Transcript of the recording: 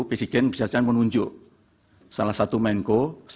pcgn bisa bisa menunjuk salah satu menko